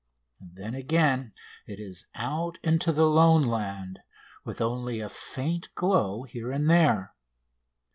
Then, again, it is out into the lone land, with only a faint glow here and there.